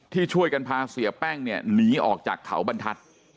ที่ช่วยกันพาเสียแป้งเนี่ยหนีออกจากเขาบรรทัศน์